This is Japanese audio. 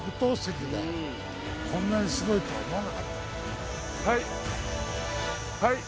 こんなにスゴいとは思わなかった。